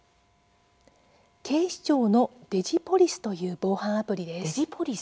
警視庁のデジポリスという防犯アプリです。